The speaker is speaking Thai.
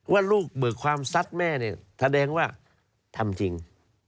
ว่าลูกเบิกความซัดแม่เนี่ยแสดงว่าทำจริง